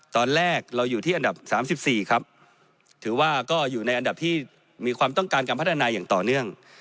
ตอนแรกเราอยู่ที่อันดับ๓๔ครับถือว่าก็อยู่ในอันดับที่มีความต้องการการพัฒนาอย่างต่อเนื่อง